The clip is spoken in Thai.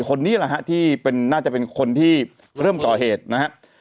คนนี้แหละฮะที่น่าจะเป็นคนที่เริ่มก่อเหตุนะฮะ